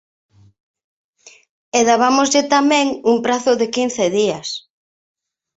E dabámoslle tamén un prazo de quince días.